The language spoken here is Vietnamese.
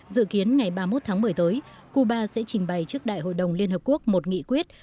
dự kiến ngày ba mươi một tháng một mươi tới cuba sẽ trình bày trước đại hội đồng liên hợp quốc một nghị quyết